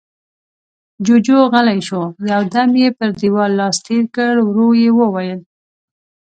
جُوجُو غلی شو، يو دم يې پر دېوال لاس تېر کړ، ورو يې وويل: